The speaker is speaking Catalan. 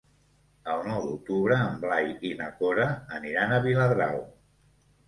El nou d'octubre en Blai i na Cora aniran a Viladrau.